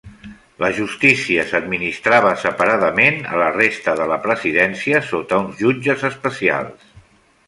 La justícia s'administrava separadament a la resta de la presidència sota uns jutges especials.